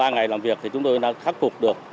ba ngày làm việc thì chúng tôi đã khắc phục được